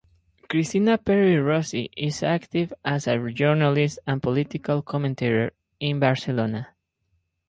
Cristina Peri Rossi is active as a journalist and political commentator in Barcelona.